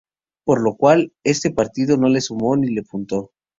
Por lo cual, este partido no le sumo ni un punto.